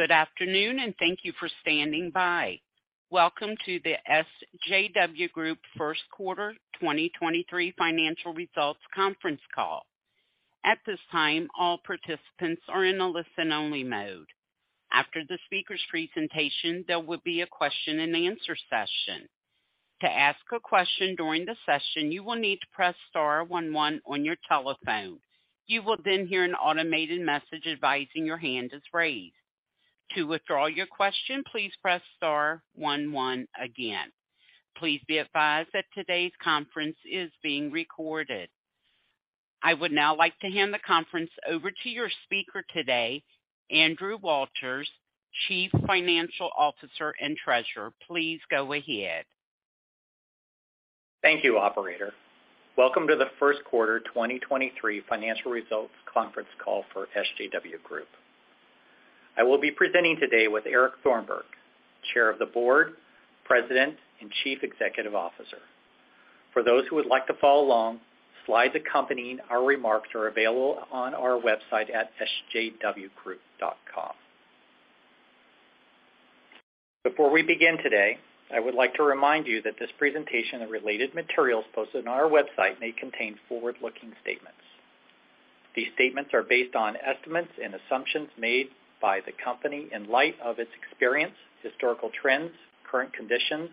Good afternoon, and thank you for standing by. Welcome to the SJW Group first quarter 2023 financial results conference call. At this time, all participants are in a listen-only mode. After the speaker's presentation, there will be a question-and-answer session. To ask a question during the session, you will need to press star one one on your telephone. You will then hear an automated message advising your hand is raised. To withdraw your question, please press star one one again. Please be advised that today's conference is being recorded. I would now like to hand the conference over to your speaker today, Andrew Walters, Chief Financial Officer and Treasurer. Please go ahead. Thank you, operator. Welcome to the first quarter 2023 financial results conference call for SJW Group. I will be presenting today with Eric Thornburg, Chair of the Board, President, and Chief Executive Officer. For those who would like to follow along, slides accompanying our remarks are available on our website at sjwgroup.com. Before we begin today, I would like to remind you that this presentation and related materials posted on our website may contain forward-looking statements. These statements are based on estimates and assumptions made by the company in light of its experience, historical trends, current conditions,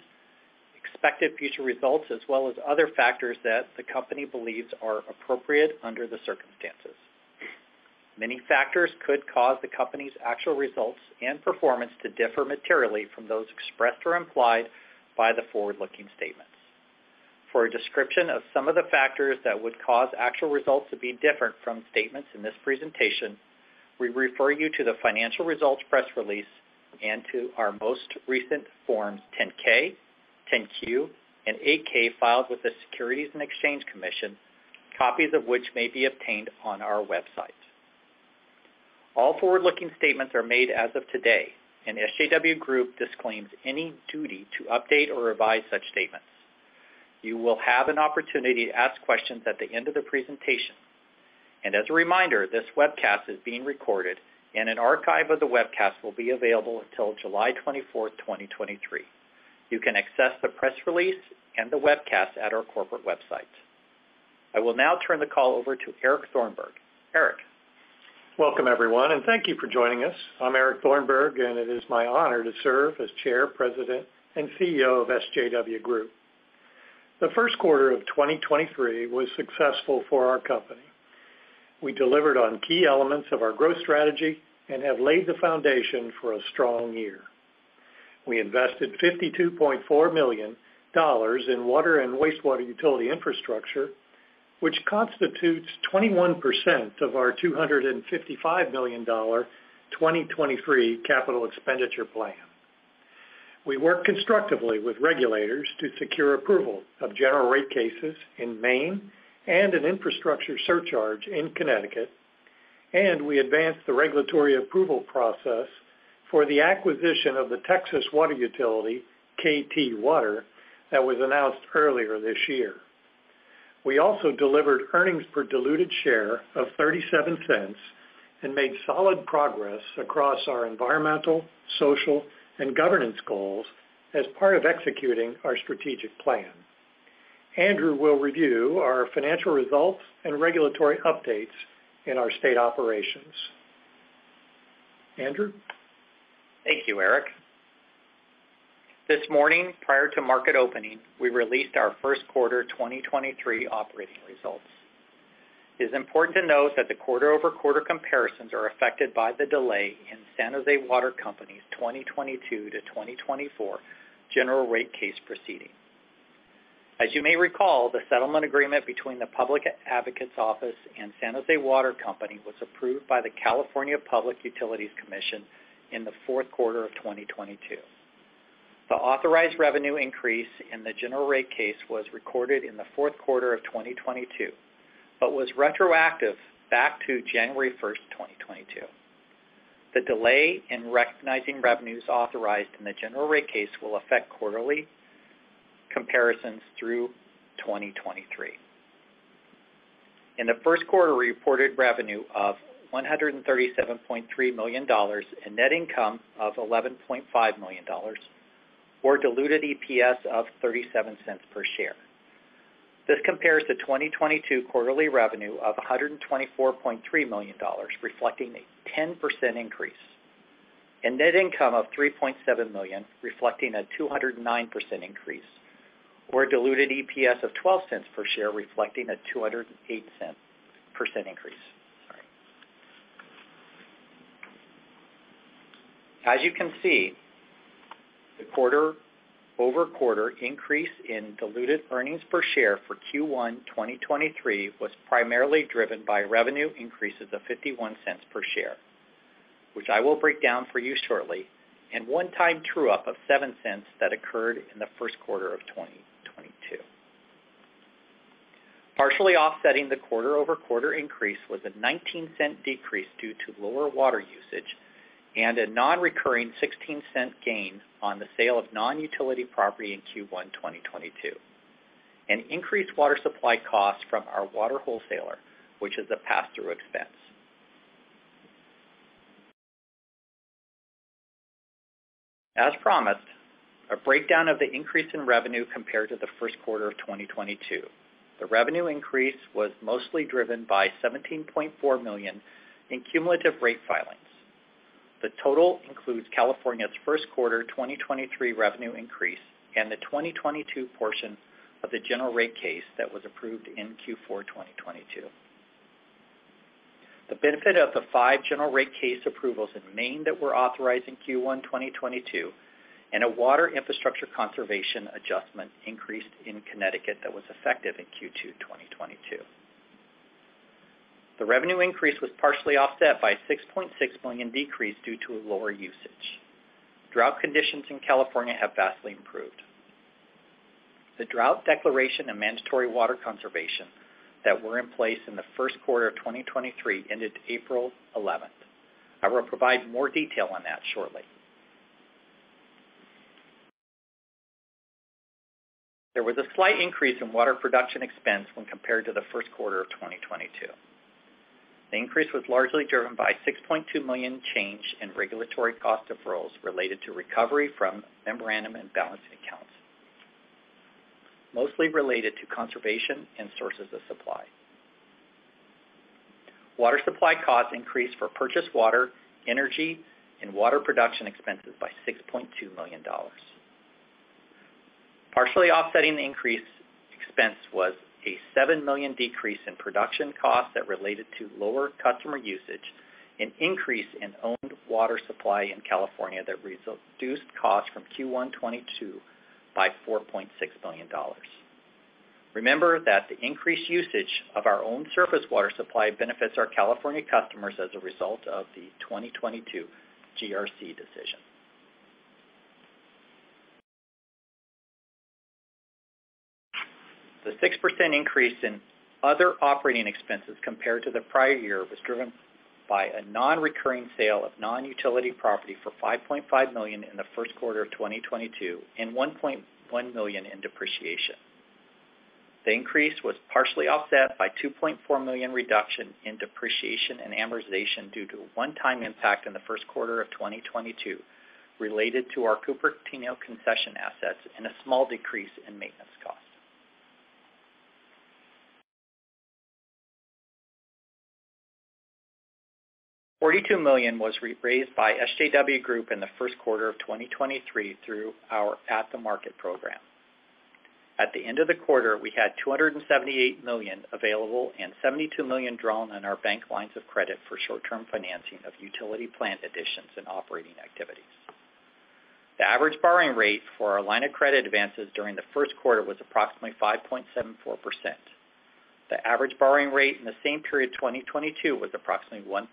expected future results, as well as other factors that the company believes are appropriate under the circumstances. Many factors could cause the company's actual results and performance to differ materially from those expressed or implied by the forward-looking statements. For a description of some of the factors that would cause actual results to be different from statements in this presentation, we refer you to the financial results press release and to our most recent Forms 10-K, 10-Q, and 8-K filed with the Securities and Exchange Commission, copies of which may be obtained on our website. All forward-looking statements are made as of today. SJW Group disclaims any duty to update or revise such statements. You will have an opportunity to ask questions at the end of the presentation. As a reminder, this webcast is being recorded, and an archive of the webcast will be available until July 24th, 2023. You can access the press release and the webcast at our corporate website. I will now turn the call over to Eric Thornburg. Eric. Welcome, everyone. Thank you for joining us. I'm Eric Thornburg, and it is my honor to serve as Chair, President, and CEO of SJW Group. The first quarter of 2023 was successful for our company. We delivered on key elements of our growth strategy and have laid the foundation for a strong year. We invested $52.4 million in water and wastewater utility infrastructure, which constitutes 21% of our $255 million 2023 capital expenditure plan. We work constructively with regulators to secure approval of general rate cases in Maine and an infrastructure surcharge in Connecticut. We advanced the regulatory approval process for the acquisition of the Texas Water Utility, KT Water, that was announced earlier this year. We also delivered earnings per diluted share of $0.37 and made solid progress across our environmental, social, and governance goals as part of executing our strategic plan. Andrew will review our financial results and regulatory updates in our state operations. Andrew. Thank you, Eric. This morning, prior to market opening, we released our first-quarter 2023 operating results. It is important to note that the quarter-over-quarter comparisons are affected by the delay in San Jose Water Company's 2022 to 2024 general rate case proceeding. As you may recall, the settlement agreement between the Public Advocates Office and San Jose Water Company was approved by the California Public Utilities Commission in the fourth quarter of 2022. The authorized revenue increase in the general rate case was recorded in the fourth quarter of 2022 but was retroactive back to January 1st, 2022. The delay in recognizing revenues authorized in the general rate case will affect quarterly comparisons through 2023. In the first quarter, we reported revenue of $137.3 million and net income of $11.5 million or diluted EPS of $0.37 per share. This compares to 2022 quarterly revenue of $124.3 million, reflecting a 10% increase, and net income of $3.7 million, reflecting a 209% increase, or diluted EPS of $0.12 per share, reflecting a 208% increase. Sorry. As you can see, the quarter-over-quarter increase in diluted earnings per share for Q1 2023 was primarily driven by revenue increases of $0.51 per share, which I will break down for you shortly, and one-time true up of $0.07 that occurred in the first quarter of 2022. Partially offsetting the quarter-over-quarter increase was a $0.19 decrease due to lower water usage and a non-recurring $0.16 gain on the sale of non-utility property in Q1 2022. Increased water supply costs from our water wholesaler, which is a pass-through expense. As promised, a breakdown of the increase in revenue compared to the first quarter of 2022. The revenue increase was mostly driven by $17.4 million in cumulative rate filings. The total includes California's first quarter 2023 revenue increase and the 2022 portion of the general rate case that was approved in Q4 2022. The benefit of the five general rate case approvals in Maine that were authorized in Q1 2022 and a Water Infrastructure and Conservation Adjustment increased in Connecticut that was effective in Q2 2022. The revenue increase was partially offset by a $6.6 million decrease due to a lower usage. Drought conditions in California have vastly improved. The drought declaration and mandatory water conservation that were in place in the first quarter of 2023 ended April 11th. I will provide more detail on that shortly. There was a slight increase in water production expense when compared to the first quarter of 2022. The increase was largely driven by $6.2 million change in regulatory cost of roles related to recovery from memorandum and balancing accounts, mostly related to conservation and sources of supply. Water supply costs increased for purchased water, energy, and water production expenses by $6.2 million. Partially offsetting the increase expense was a $7 million decrease in production costs that related to lower customer usage, an increase in owned water supply in California that reduced costs from Q1 2022 by $4.6 million. Remember that the increased usage of our own surface water supply benefits our California customers as a result of the 2022 GRC decision. The 6% increase in other operating expenses compared to the prior year was driven by a non-recurring sale of non-utility property for $5.5 million in the first quarter of 2022 and $1.1 million in depreciation. The increase was partially offset by $2.4 million reduction in depreciation and amortization due to a one-time impact in the first quarter of 2022 related to our Cupertino concession assets and a small decrease in maintenance costs. $42 million was raised by SJW Group in the first quarter of 2023 through our at the market program. At the end of the quarter, we had $278 million available and $72 million drawn on our bank lines of credit for short-term financing of utility plant additions and operating activities. The average borrowing rate for our line of credit advances during the first quarter was approximately 5.74%. The average borrowing rate in the same period 2022 was approximately 1.64%.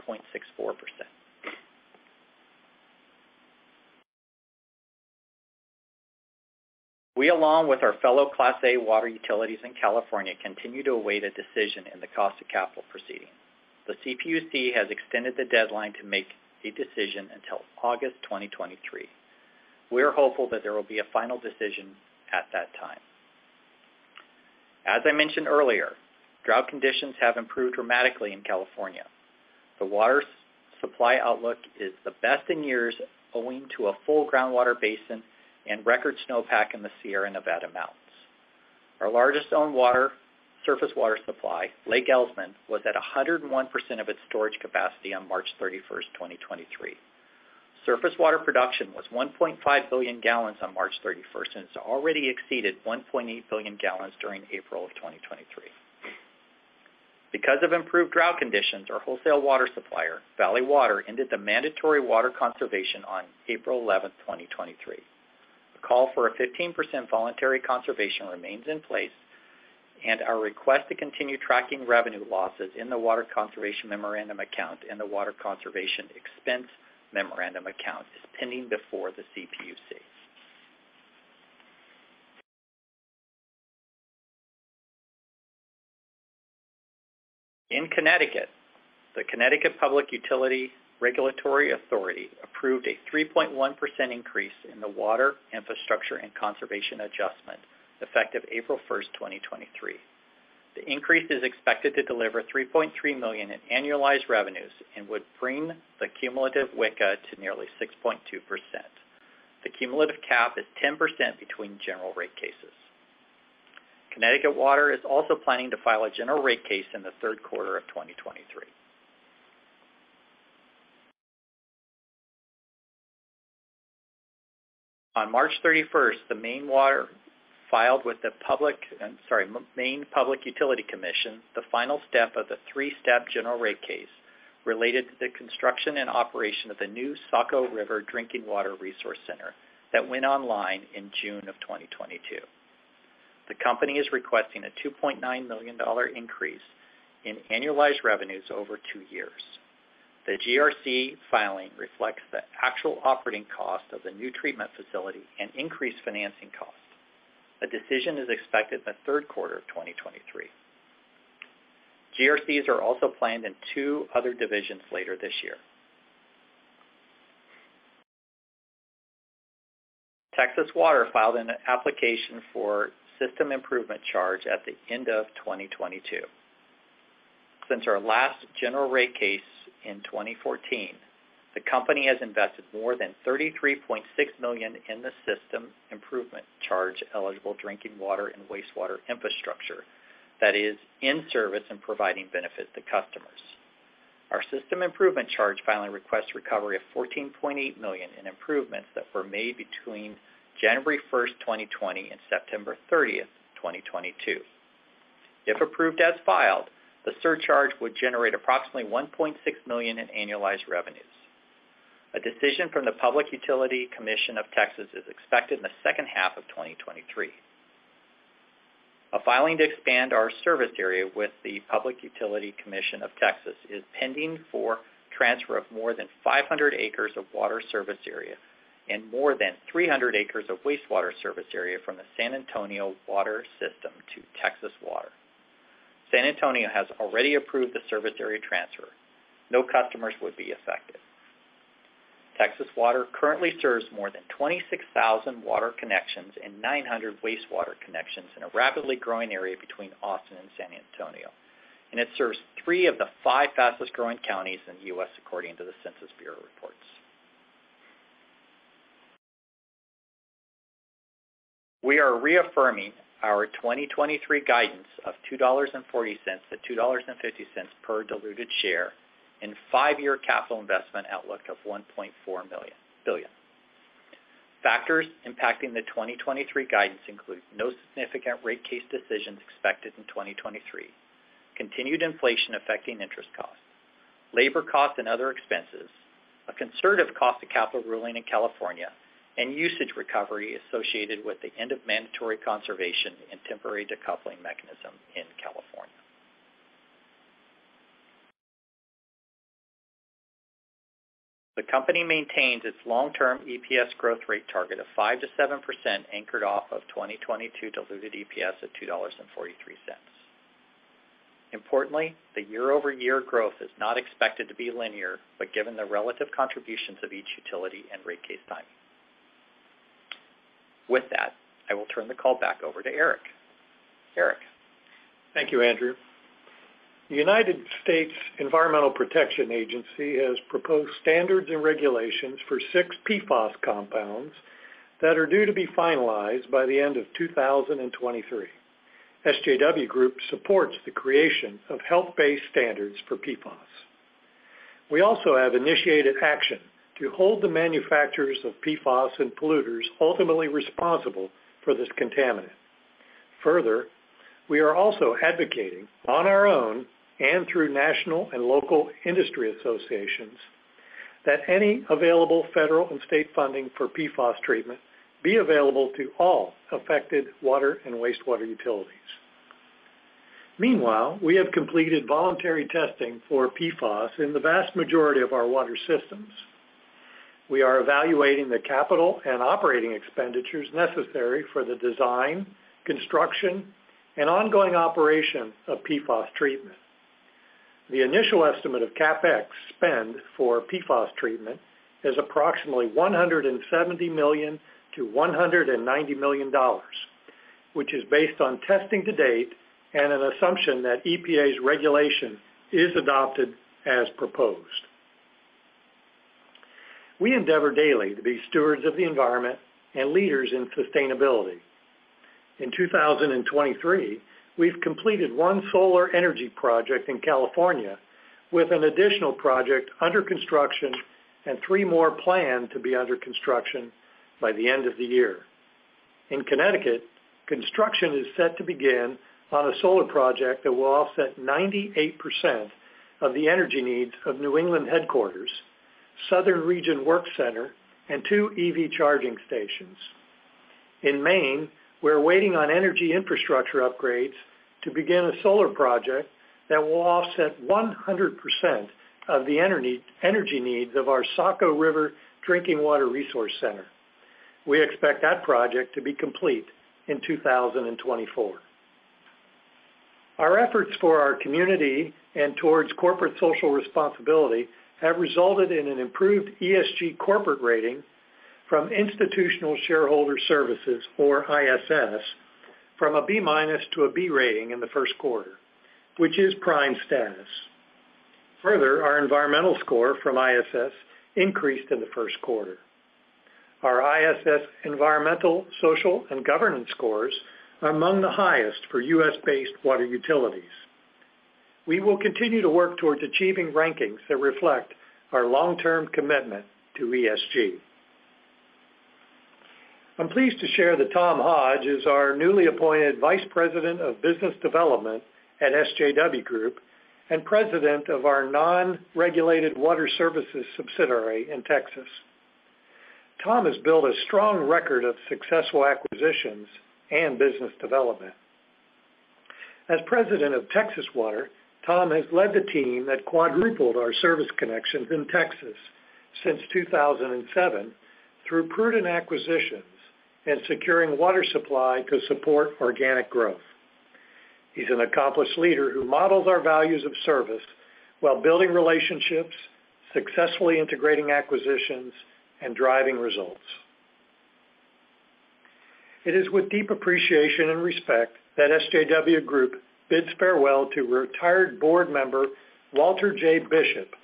We along with our fellow Class A water utilities in California continue to await a decision in the cost of capital proceeding. The CPUC has extended the deadline to make a decision until August 2023. We are hopeful that there will be a final decision at that time. As I mentioned earlier, drought conditions have improved dramatically in California. The water supply outlook is the best in years owing to a full groundwater basin and record snowpack in the Sierra Nevada Mountains. Our largest surface water supply, Lake Elsman, was at 101% of its storage capacity on March 31, 2023. Surface water production was 1.5 billion gallons on March 31. It's already exceeded 1.8 billion gallons during April 2023. Because of improved drought conditions, our wholesale water supplier, Valley Water, ended the mandatory water conservation on April 11, 2023. The call for a 15% voluntary conservation remains in place. Our request to continue tracking revenue losses in the water conservation memorandum account and the water conservation expense memorandum account is pending before the CPUC. In Connecticut, the Connecticut Public Utilities Regulatory Authority approved a 3.1% increase in the Water Infrastructure and Conservation Adjustment effective April 1st, 2023. The increase is expected to deliver $3.3 million in annualized revenues and would bring the cumulative WICA to nearly 6.2%. The cumulative cap is 10% between general rate cases. Connecticut Water is also planning to file a general rate case in the third quarter of 2023. On March 31st, the Maine Water filed with I'm sorry, Maine Public Utilities Commission, the final step of the three-step general rate case related to the construction and operation of the new Saco River Drinking Water Resource Center that went online in June of 2022. The company is requesting a $2.9 million increase in annualized revenues over two years. The GRC filing reflects the actual operating cost of the new treatment facility and increased financing costs. A decision is expected in the third quarter of 2023. GRCs are also planned in two other divisions later this year. Texas Water filed an application for System Improvement Charge at the end of 2022. Since our last general rate case in 2014, the company has invested more than $33.6 million in the System Improvement Charge eligible drinking water and wastewater infrastructure that is in service and providing benefit to customers. Our System Improvement Charge filing requests recovery of $14.8 million in improvements that were made between January first, 2020 and September thirtieth, 2022. If approved as filed, the surcharge would generate approximately $1.6 million in annualized revenues. A decision from the Public Utility Commission of Texas is expected in the second half of 2023. A filing to expand our service area with the Public Utility Commission of Texas is pending for transfer of more than 500 acres of water service area and more than 300 acres of wastewater service area from the San Antonio Water System to Texas Water. San Antonio has already approved the service area transfer. No customers would be affected. Texas Water currently serves more than 26,000 water connections and 900 wastewater connections in a rapidly growing area between Austin and San Antonio, and it serves three of the five fastest-growing counties in the U.S. according to the Census Bureau reports. We are reaffirming our 2023 guidance of $2.40 to $2.50 per diluted share and five-year capital investment outlook of $1.4 billion. Factors impacting the 2023 guidance include no significant rate case decisions expected in 2023, continued inflation affecting interest costs, labor costs and other expenses, a conservative cost of capital ruling in California, and usage recovery associated with the end of mandatory conservation and temporary decoupling mechanism in California. The company maintains its long-term EPS growth rate target of 5%-7% anchored off of 2022 diluted EPS at $2.43. Importantly, the year-over-year growth is not expected to be linear, but given the relative contributions of each utility and rate case timing. With that, I will turn the call back over to Eric. Eric? Thank you, Andrew. The United States Environmental Protection Agency has proposed standards and regulations for six PFAS compounds that are due to be finalized by the end of 2023. SJW Group supports the creation of health-based standards for PFAS. We also have initiated action to hold the manufacturers of PFAS and polluters ultimately responsible for this contaminant. We are also advocating on our own and through national and local industry associations that any available federal and state funding for PFAS treatment be available to all affected water and wastewater utilities. Meanwhile, we have completed voluntary testing for PFAS in the vast majority of our water systems. We are evaluating the capital and operating expenditures necessary for the design, construction, and ongoing operation of PFAS treatment. The initial estimate of CapEx spend for PFAS treatment is approximately $170 million-$190 million, which is based on testing to date and an assumption that EPA's regulation is adopted as proposed. We endeavor daily to be stewards of the environment and leaders in sustainability. In 2023, we've completed one solar energy project in California with an additional project under construction and three more planned to be under construction by the end of the year. In Connecticut, construction is set to begin on a solar project that will offset 98% of the energy needs of New England headquarters, southern region work center, and two EV charging stations. In Maine, we're waiting on energy infrastructure upgrades to begin a solar project that will offset 100% of the energy needs of our Saco River Drinking Water Resource Center. We expect that project to be complete in 2024. Our efforts for our community and towards corporate social responsibility have resulted in an improved ESG corporate rating from Institutional Shareholder Services, or ISS, from a B-minus to a B rating in the first quarter, which is prime status. Further, our environmental score from ISS increased in the first quarter. Our ISS environmental, social, and governance scores are among the highest for U.S.-based water utilities. We will continue to work towards achieving rankings that reflect our long-term commitment to ESG. I'm pleased to share that Tom Hodge is our newly appointed Vice President of Business Development at SJW Group and President of our non-regulated water services subsidiary in Texas. Tom has built a strong record of successful acquisitions and business development. As President of Texas Water, Tom has led the team that quadrupled our service connections in Texas since 2007 through prudent acquisitions and securing water supply to support organic growth. He's an accomplished leader who models our values of service while building relationships, successfully integrating acquisitions, and driving results. It is with deep appreciation and respect that SJW Group bids farewell to retired board member Walter J. Bishop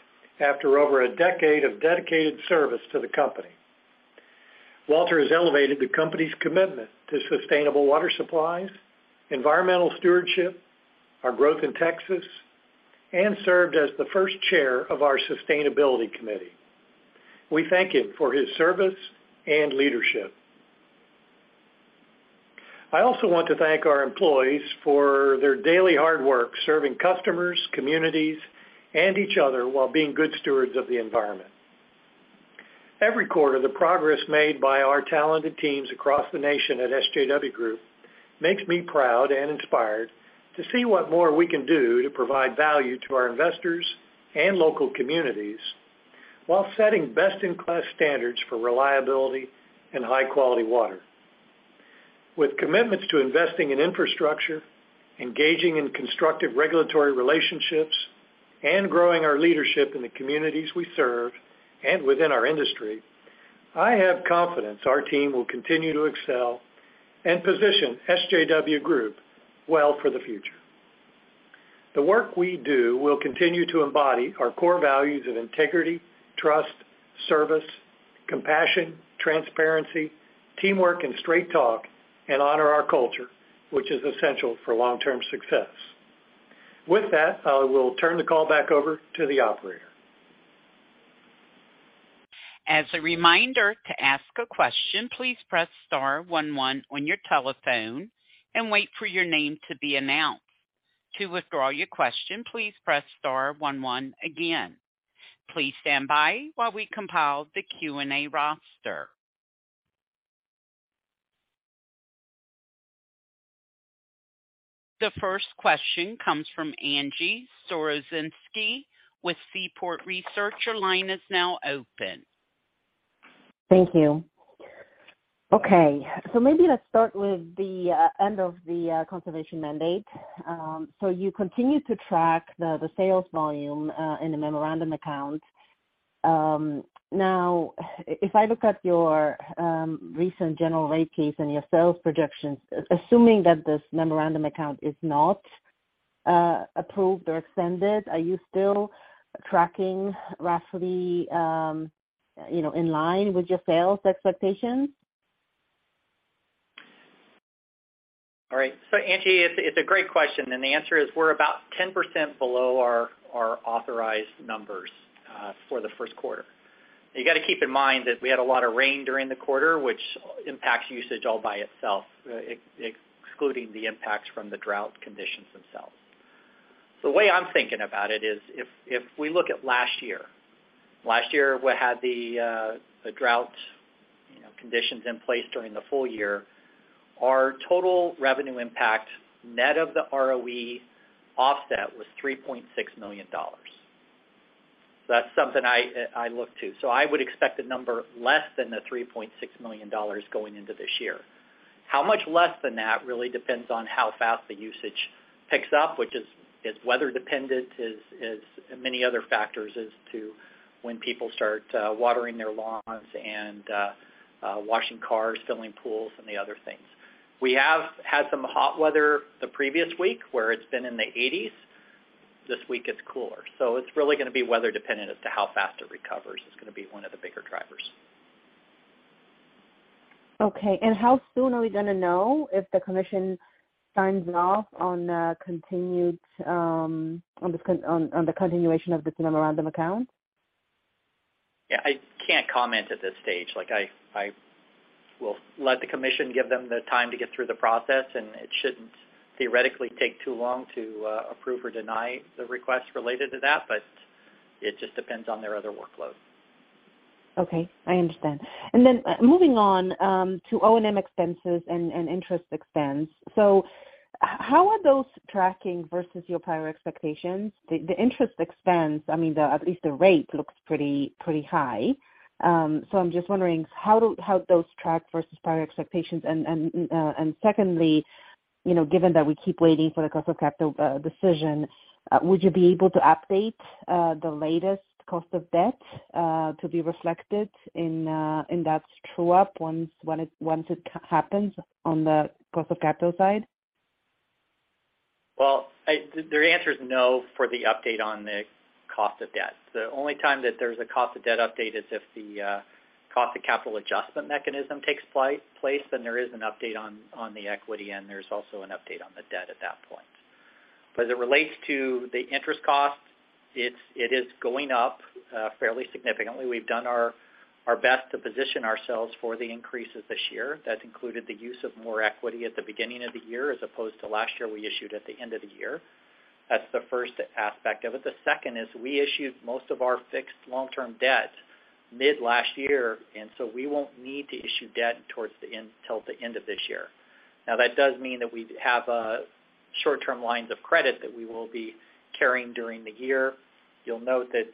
after over a decade of dedicated service to the company. Walter has elevated the company's commitment to sustainable water supplies, environmental stewardship, our growth in Texas, and served as the first chair of our sustainability committee. We thank him for his service and leadership. I also want to thank our employees for their daily hard work serving customers, communities, and each other while being good stewards of the environment. Every quarter, the progress made by our talented teams across the nation at SJW Group makes me proud and inspired to see what more we can do to provide value to our investors and local communities while setting best-in-class standards for reliability and high-quality water. With commitments to investing in infrastructure, engaging in constructive regulatory relationships, and growing our leadership in the communities we serve and within our industry, I have confidence our team will continue to excel and position SJW Group well for the future. The work we do will continue to embody our core values of integrity, trust, service, compassion, transparency, teamwork, and straight talk, and honor our culture, which is essential for long-term success. With that, I will turn the call back over to the operator. As a reminder, to ask a question, please press star one one on your telephone and wait for your name to be announced. To withdraw your question, please press star one one again. Please stand by while we compile the Q&A roster. The first question comes from Angie Storozynski with Seaport Research. Your line is now open. Thank you. Okay, maybe let's start with the end of the conservation mandate. You continue to track the sales volume in the memorandum account. Now if I look at your recent general rate case and your sales projections, assuming that this memorandum account is not approved or extended, are you still tracking roughly, you know, in line with your sales expectations? All right. Angie, it's a great question, and the answer is we're about 10% below our authorized numbers for the 1st quarter. You got to keep in mind that we had a lot of rain during the quarter, which impacts usage all by itself, excluding the impacts from the drought conditions themselves. The way I'm thinking about it is if we look at last year, we had the drought, you know, conditions in place during the full year. Our total revenue impact, net of the ROE offset was $3.6 million. That's something I look to. I would expect a number less than the $3.6 million going into this year. How much less than that really depends on how fast the usage picks up, which is weather dependent, is many other factors as to when people start watering their lawns and washing cars, filling pools and the other things. We have had some hot weather the previous week where it's been in the 80s. This week it's cooler. It's really going to be weather dependent as to how fast it recovers. It's going to be one of the bigger drivers. Okay. how soon are we going to know if the commission signs off on continued on the continuation of this memorandum account? Yeah, I can't comment at this stage. Like I will let the commission give them the time to get through the process. It shouldn't theoretically take too long to approve or deny the request related to that, but it just depends on their other workload. Okay. I understand. Moving on to O&M expenses and interest expense. How are those tracking versus your prior expectations? The interest expense, I mean, the at least the rate looks pretty high. I'm just wondering how those track versus prior expectations. Secondly, you know, given that we keep waiting for the cost of capital decision, would you be able to update the latest cost of debt to be reflected in that true up once it happens on the cost of capital side? The answer is no for the update on the cost of debt. The only time that there's a cost of debt update is if the Water Cost of Capital Mechanism takes place, there is an update on the equity, and there's also an update on the debt at that point. As it relates to the interest cost, it is going up fairly significantly. We've done our best to position ourselves for the increases this year. That included the use of more equity at the beginning of the year, as opposed to last year, we issued at the end of the year. That's the first aspect of it. The second is we issued most of our fixed long-term debt mid last year, we won't need to issue debt towards the end, till the end of this year. That does mean that we have short-term lines of credit that we will be carrying during the year. You'll note that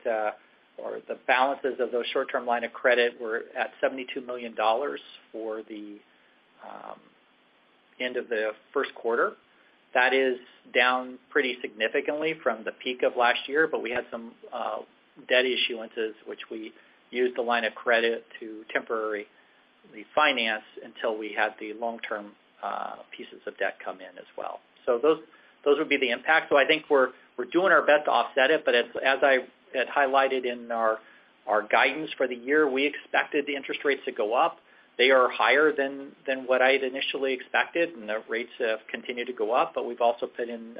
the balances of those short-term line of credit were at $72 million for the end of the first quarter. That is down pretty significantly from the peak of last year. We had some debt issuances which we used the line of credit to temporarily finance until we had the long-term pieces of debt come in as well. Those would be the impact. I think we're doing our best to offset it. As I had highlighted in our guidance for the year, we expected the interest rates to go up. They are higher than what I had initially expected, the rates have continued to go up. We've also put in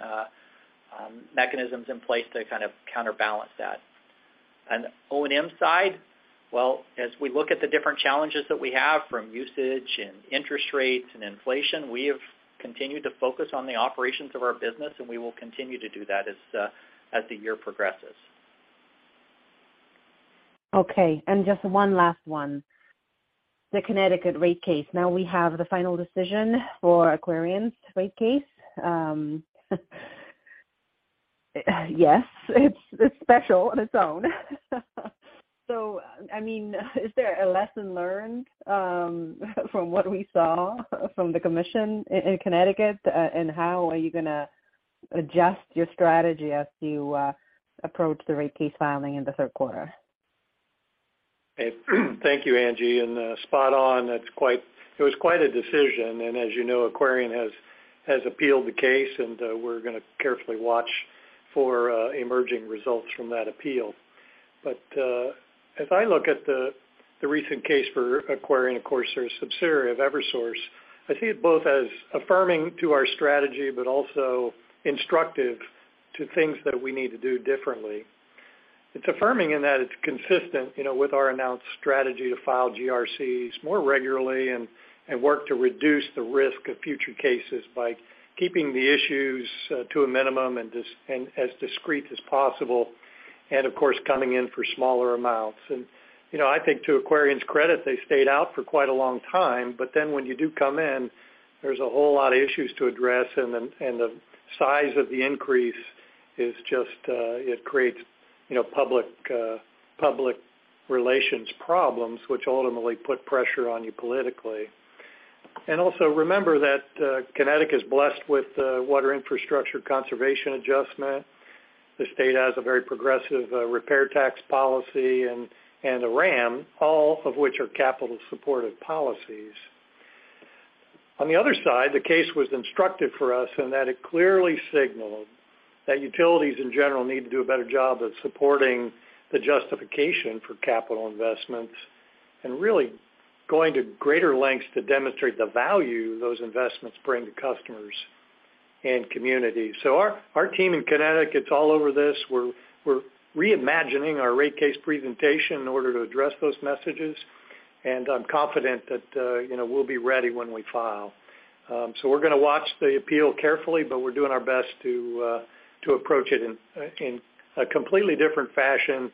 mechanisms in place to kind of counterbalance that. O&M side, well, as we look at the different challenges that we have from usage and interest rates and inflation, we have continued to focus on the operations of our business, and we will continue to do that as the year progresses. Just one last one. The Connecticut rate case. Now we have the final decision for Aquarion's rate case. Yes, it's special on its own. I mean, is there a lesson learned from what we saw from the commission in Connecticut? How are you gonna adjust your strategy as you approach the rate case filing in the third quarter? Hey, thank you, Angie. Spot on. It was quite a decision. As you know, Aquarion has appealed the case, we're gonna carefully watch for emerging results from that appeal. As I look at the recent case for Aquarion, of course, they're a subsidiary of Eversource, I see it both as affirming to our strategy, but also instructive to things that we need to do differently. It's affirming in that it's consistent, you know, with our announced strategy to file GRCs more regularly and work to reduce the risk of future cases by keeping the issues to a minimum and as discreet as possible, and of course, coming in for smaller amounts. You know, I think to Aquarion's credit, they stayed out for quite a long time. When you do come in, there's a whole lot of issues to address. The size of the increase is just, it creates, you know, public relations problems which ultimately put pressure on you politically. Also remember that Connecticut is blessed with Water Infrastructure Conservation Adjustment. The state has a very progressive repair tax policy and a RAM, all of which are capital-supported policies. On the other side, the case was instructive for us in that it clearly signaled that utilities in general need to do a better job of supporting the justification for capital investments and really going to greater lengths to demonstrate the value those investments bring to customers and communities. Our, our team in Connecticut's all over this. We're, we're reimagining our rate case presentation in order to address those messages. I'm confident that, you know, we'll be ready when we file. We're gonna watch the appeal carefully, but we're doing our best to approach it in a completely different fashion,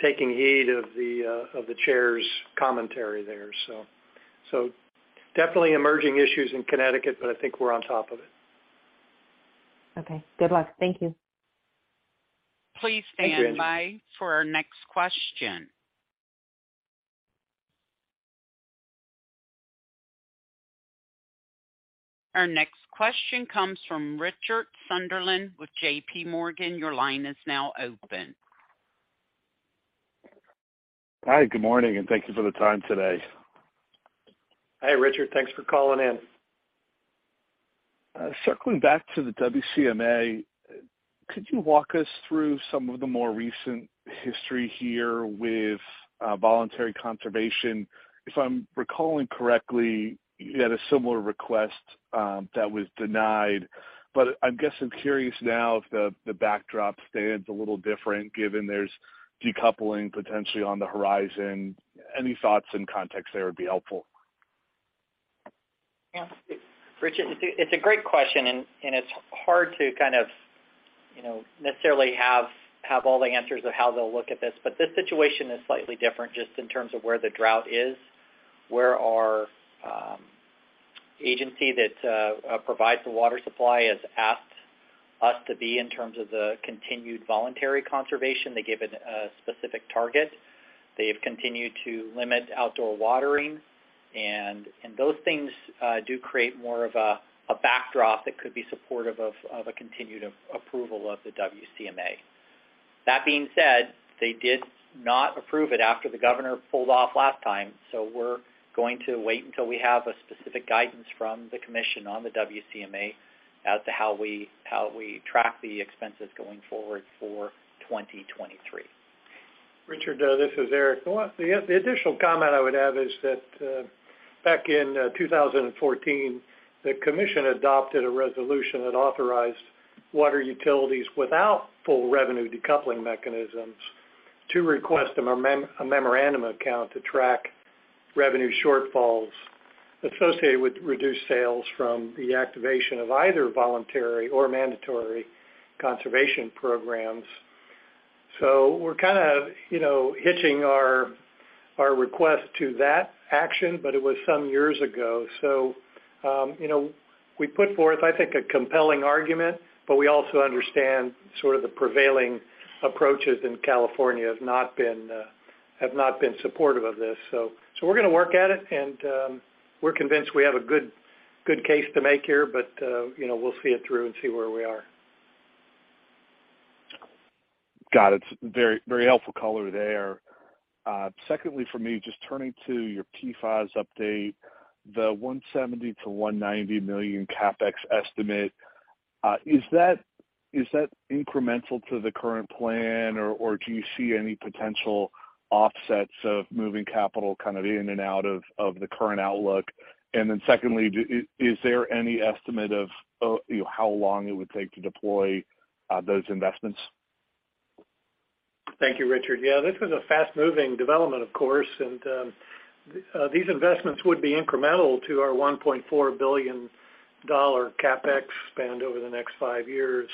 taking heed of the chair's commentary there. Definitely emerging issues in Connecticut, but I think we're on top of it. Okay. Good luck. Thank you. Thank you, Angie. Please stand by for our next question. Our next question comes from Richard Sunderland with JP Morgan. Your line is now open. Hi, good morning, and thank you for the time today. Hi, Richard. Thanks for calling in. Circling back to the WCMA, could you walk us through some of the more recent history here with voluntary conservation? If I'm recalling correctly, you had a similar request that was denied. I guess I'm curious now if the backdrop stands a little different given there's decoupling potentially on the horizon. Any thoughts and context there would be helpful. Yeah. Richard, it's a great question, and it's hard to kind of, you know, necessarily have all the answers of how they'll look at this. This situation is slightly different just in terms of where the drought is, where our agency that provides the water supply has asked us to be in terms of the continued voluntary conservation. They gave it a specific target. They've continued to limit outdoor watering. Those things do create more of a backdrop that could be supportive of a continued approval of the WCMA. That being said, they did not approve it after the governor pulled off last time. We're going to wait until we have a specific guidance from the commission on the WCMA as to how we track the expenses going forward for 2023. Richard, this is Eric. The additional comment I would add is that, back in 2014, the Commission adopted a resolution that authorized water utilities without full revenue decoupling mechanisms to request a memorandum account to track revenue shortfalls associated with reduced sales from the activation of either voluntary or mandatory conservation programs. We're kind of, you know, hitching our request to that action, but it was some years ago. We put forth, I think, a compelling argument, but we also understand sort of the prevailing approaches in California have not been supportive of this. We're gonna work at it, and, we're convinced we have a good case to make here, but, you know, we'll see it through and see where we are. Got it. Very, very helpful color there. Secondly for me, just turning to your PFAS update. The $170 million-$190 million CapEx estimate, is that incremental to the current plan or do you see any potential offsets of moving capital kind of in and out of the current outlook? Secondly, is there any estimate of, you know, how long it would take to deploy those investments? Thank you, Richard. Yeah, this was a fast-moving development, of course. These investments would be incremental to our $1.4 billion CapEx spend over the next five years.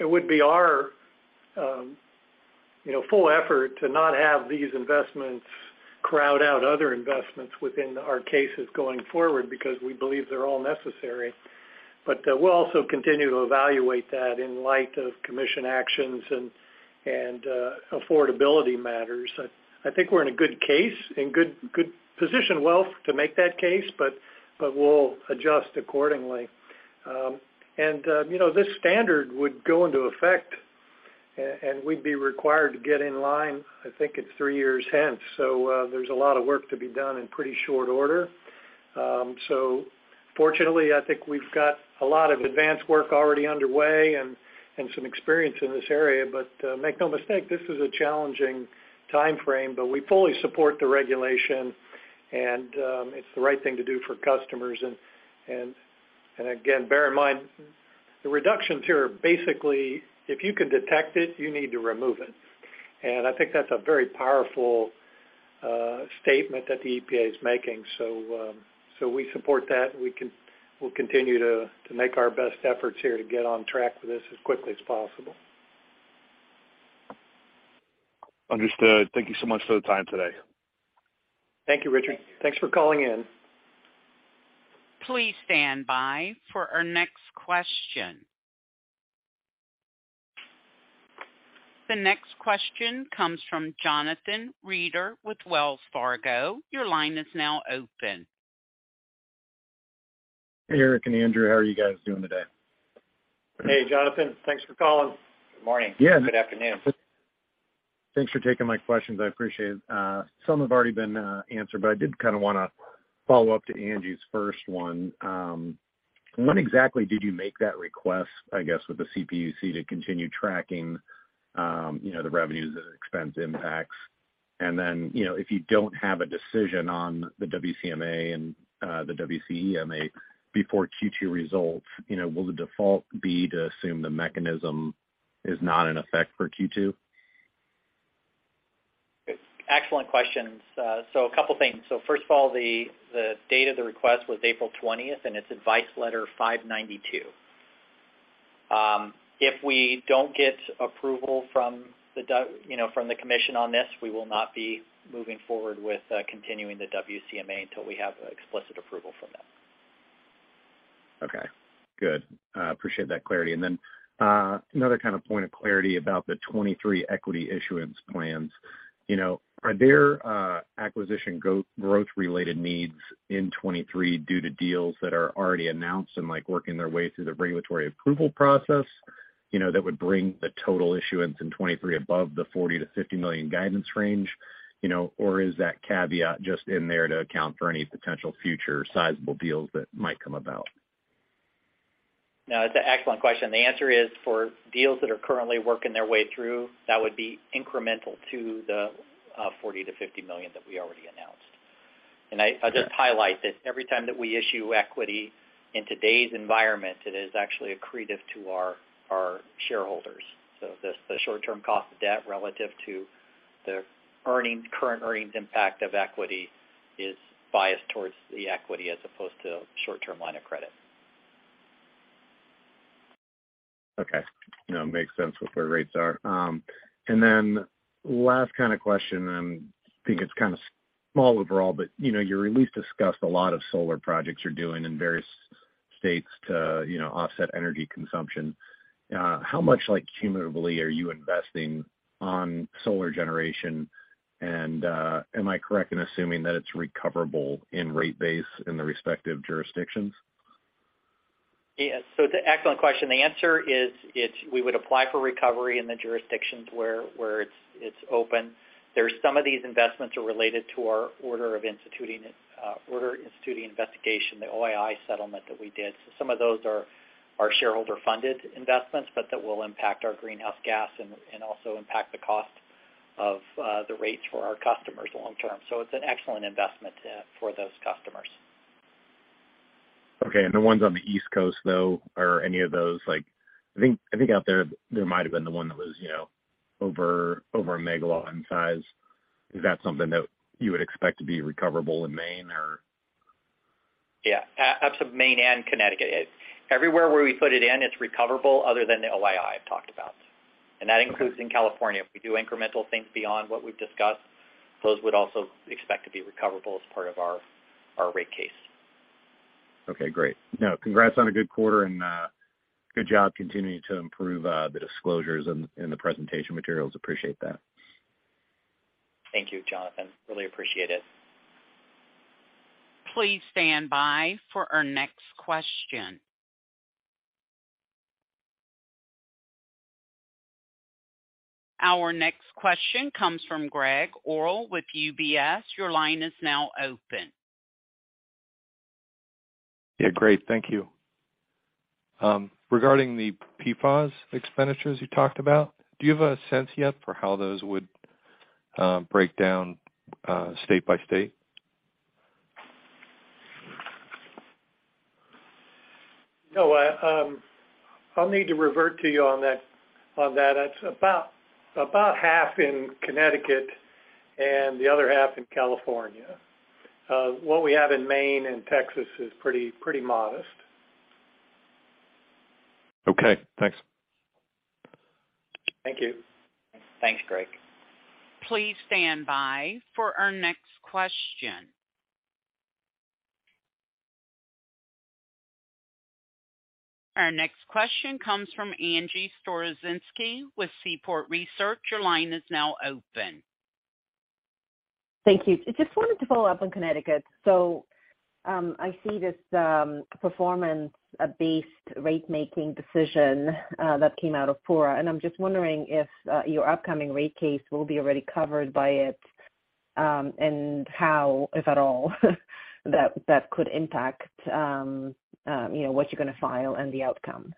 It would be our, you know, full effort to not have these investments crowd out other investments within our cases going forward because we believe they're all necessary. We'll also continue to evaluate that in light of commission actions and affordability matters. I think we're in a good case, in good position well to make that case, but we'll adjust accordingly. You know, this standard would go into effect and we'd be required to get in line, I think it's 3 years hence. There's a lot of work to be done in pretty short order. Fortunately, I think we've got a lot of advanced work already underway and some experience in this area. Make no mistake, this is a challenging timeframe, but we fully support the regulation and it's the right thing to do for customers. Again, bear in mind, the reductions here are basically if you can detect it, you need to remove it. I think that's a very powerful statement that the EPA is making. We support that, and we'll continue to make our best efforts here to get on track with this as quickly as possible. Understood. Thank you so much for the time today. Thank you, Richard. Thanks for calling in. Please stand by for our next question. The next question comes from Jonathan Reeder with Wells Fargo. Your line is now open. Hey, Eric and Andrew. How are you guys doing today? Hey, Jonathan. Thanks for calling. Good morning. Yeah. Good afternoon. Thanks for taking my questions. I appreciate it. Some have already been answered, but I did kind of wanna follow up to Angie's first one. When exactly did you make that request, I guess, with the CPUC to continue tracking, you know, the revenues and expense impacts? Then, you know, if you don't have a decision on the WCMA and the WCEMA before Q2 results, you know, will the default be to assume the mechanism is not in effect for Q2? Excellent questions. A couple things. First of all, the date of the request was April twentieth, and it's Advice Letter 592. If we don't get approval from you know, from the commission on this, we will not be moving forward with continuing the WCMA until we have explicit approval from them. Okay. Good. I appreciate that clarity. Then, another kind of point of clarity about the 2023 equity issuance plans. You know, are there acquisition growth-related needs in 2023 due to deals that are already announced and, like, working their way through the regulatory approval process, you know, that would bring the total issuance in 2023 above the $40 million-$50 million guidance range, or is that caveat just in there to account for any potential future sizable deals that might come about? No, it's an excellent question. The answer is for deals that are currently working their way through, that would be incremental to the $40 million-$50 million that we already announced. I just highlight that every time that we issue equity in today's environment, it is actually accretive to our shareholders. The short term cost of debt relative to the earnings, current earnings impact of equity is biased towards the equity as opposed to short-term line of credit. Okay. You know, makes sense with where rates are. Last kind of question, and I think it's kind of small overall, but you know, you at least discussed a lot of solar projects you're doing in various states to, you know, offset energy consumption. How much, like, cumulatively are you investing on solar generation? Am I correct in assuming that it's recoverable in rate base in the respective jurisdictions? It's an excellent question. The answer is it's, we would apply for recovery in the jurisdictions where it's open. There are some of these investments are related to our Order Instituting Investigation, the OII settlement that we did. Some of those are shareholder-funded investments, but that will impact our greenhouse gas and also impact the cost of the rates for our customers long term. It's an excellent investment for those customers. Okay. The ones on the East Coast, though, are any of those, like, I think out there might have been the one that was, you know, over 1 MW in size. Is that something that you would expect to be recoverable in Maine? That's of Maine and Connecticut. Everywhere where we put it in, it's recoverable other than the OII I've talked about. That includes in California. If we do incremental things beyond what we've discussed, those would also expect to be recoverable as part of our rate case. Okay, great. Congrats on a good quarter and good job continuing to improve the disclosures in the presentation materials. Appreciate that. Thank you, Jonathan. Really appreciate it. Please stand by for our next question. Our next question comes from Gregg Orrill with UBS. Your line is now open. Yeah, great. Thank you. Regarding the PFAS expenditures you talked about, do you have a sense yet for how those would break down state by state? No, I'll need to revert to you on that. It's about half in Connecticut and the other half in California. What we have in Maine and Texas is pretty modest. Okay, thanks. Thank you. Thanks, Gregg. Please stand by for our next question. Our next question comes from Angie Storozynski with Seaport Research. Your line is now open. Thank you. Just wanted to follow up on Connecticut. I see this performance-based ratemaking decision that came out of PURA, and I'm just wondering if your upcoming rate case will be already covered by it, and how, if at all, that could impact, you know, what you're gonna file and the outcome.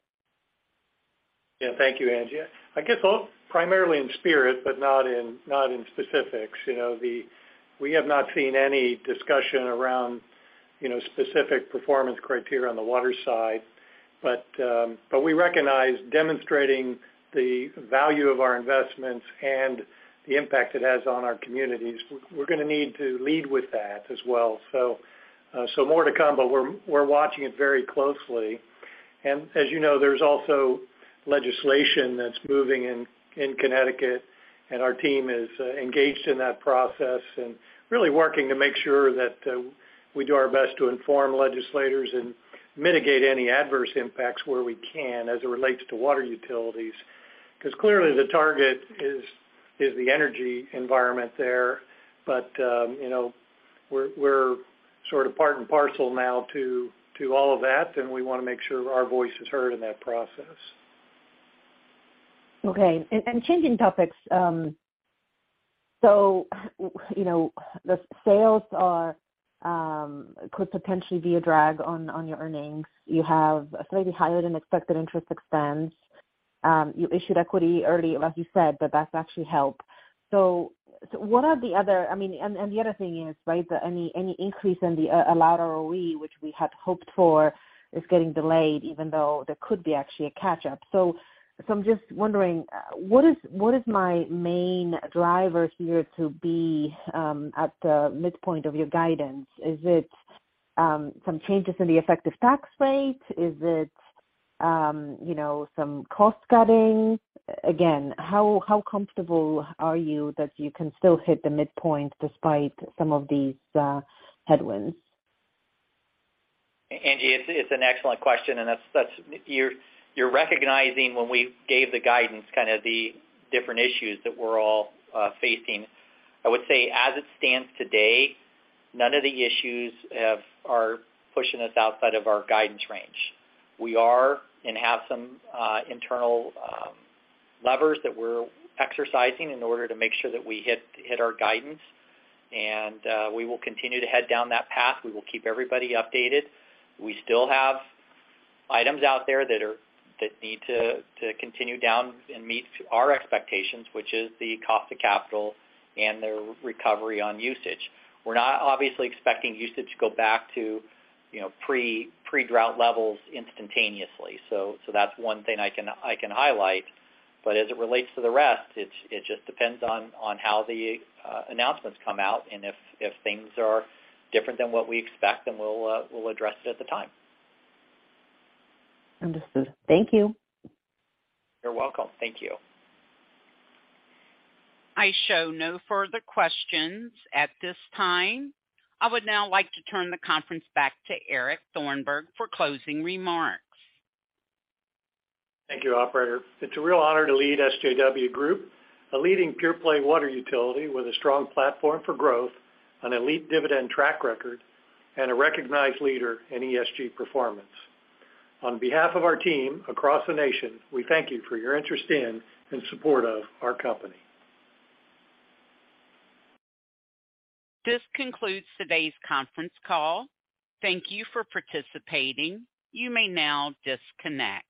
Yeah. Thank you, Angie. I guess primarily in spirit, but not in, not in specifics. You know, we have not seen any discussion around, you know, specific performance criteria on the water side. We recognize demonstrating the value of our investments and the impact it has on our communities. We're gonna need to lead with that as well. More to come, but we're watching it very closely. As you know, there's also legislation that's moving in Connecticut, and our team is engaged in that process and really working to make sure that we do our best to inform legislators and mitigate any adverse impacts where we can, as it relates to water utilities. Clearly the target is the energy environment there. You know, we're sort of part and parcel now to all of that, and we wanna make sure our voice is heard in that process. Okay. Changing topics, you know, the sales are could potentially be a drag on your earnings. You have a slightly higher than expected interest expense. You issued equity early, as you said, but that's actually helped. What are the other, I mean, and the other thing is, right, any increase in the allowed ROE, which we had hoped for, is getting delayed, even though there could be actually a catch-up. I'm just wondering, what is my main driver here to be at the midpoint of your guidance? Is it some changes in the effective tax rate? Is it, you know, some cost cutting? Again, how comfortable are you that you can still hit the midpoint despite some of these headwinds? Angie, it's an excellent question, and that's, you're recognizing when we gave the guidance, kind of the different issues that we're all facing. I would say as it stands today, none of the issues are pushing us outside of our guidance range. We are and have some internal levers that we're exercising in order to make sure that we hit our guidance. We will continue to head down that path. We will keep everybody updated. We still have items out there that need to continue down and meet our expectations, which is the cost of capital and the recovery on usage. We're not obviously expecting usage to go back to, you know, pre-drought levels instantaneously. That's one thing I can highlight. As it relates to the rest, it just depends on how the announcements come out and if things are different than what we expect, then we'll address it at the time. Understood. Thank you. You're welcome. Thank you. I show no further questions at this time. I would now like to turn the conference back to Eric Thornburg for closing remarks. Thank you, operator. It's a real honor to lead SJW Group, a leading pure-play water utility with a strong platform for growth, an elite dividend track record, and a recognized leader in ESG performance. On behalf of our team across the nation, we thank you for your interest in and support of our company. This concludes today's conference call. Thank you for participating. You may now disconnect.